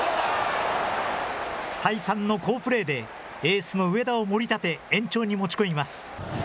再三の好プレーでエースの上田をもり立て延長に持ち込みます。